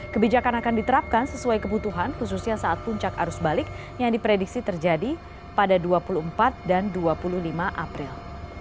kebijakan akan diterapkan sesuai kebutuhan khususnya saat puncak arus balik yang diprediksi terjadi pada dua puluh empat dan dua puluh lima april